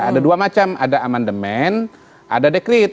ada dua macam ada amandemen ada dekret